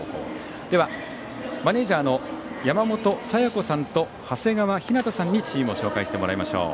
では、マネージャーの山本紗野子さんと長谷川ひなたさんにチームを紹介してもらいましょう。